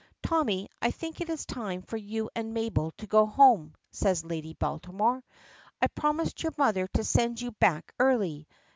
"Tommy, I think it is time for you and Mabel to go home," says Lady Baltimore. "I promised your mother to send you back early.